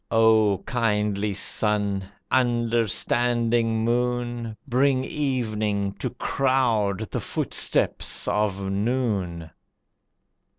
O Kindly Sun! Understanding Moon! Bring evening to crowd the footsteps of noon.